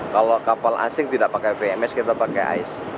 kalau kapal asing tidak pakai vms kita pakai ais